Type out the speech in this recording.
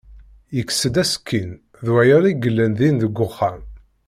Yekkes-d asekkin d waɣer i yellan din deg uxxam.